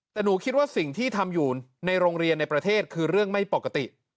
แต่หนูคิดว่าสิ่งที่ทำอยู่ในโรงเรียนในประเทศคือเรื่องไม่ปกติ